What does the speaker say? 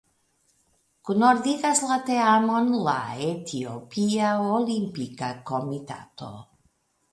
Kunordigas la teamon la Etiopia Olimpika Komitato.